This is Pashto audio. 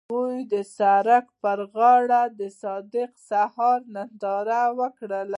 هغوی د سړک پر غاړه د صادق سهار ننداره وکړه.